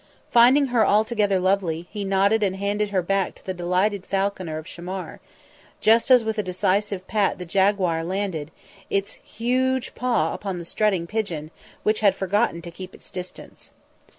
Finding her altogether lovely, he nodded and handed her back to the delighted falconer of Shammar, just as with a decisive pat the jaguar landed, its huge paw upon the strutting pigeon, which had forgotten to keep its distance.